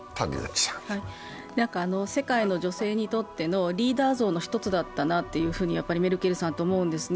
世界の女性にとってのリーダー像の一つだったなとメルケルさんって思うんですね。